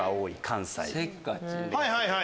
はいはい！